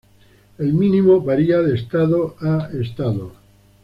El mínimo varia de estado a estado.